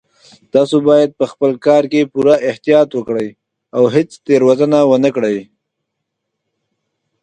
تاسو باید په خپل کار کې پوره احتیاط وکړئ او هیڅ تېروتنه ونه کړئ